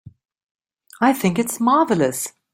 I think it's marvelous.